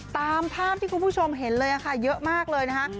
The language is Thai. ตามภาพที่คุณผู้ชมเห็นเลยค่ะเยอะมากเลยนะคะ